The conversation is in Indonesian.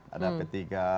ada ketiga ada ketiga